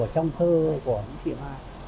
trong thơ của nguyễn thị mai